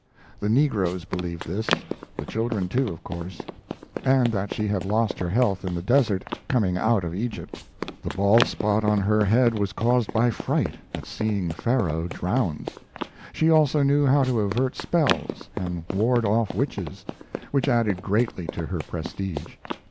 The negroes believed this; the children, too, of course, and that she had lost her health in the desert, coming out of Egypt. The bald spot on her head was caused by fright at seeing Pharaoh drowned. She also knew how to avert spells and ward off witches, which added greatly to her prestige.